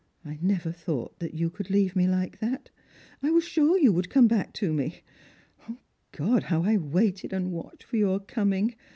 I never thought that you could leave me Uke that. I was sure that you would come back to me. O God, how I waited and watched for your coming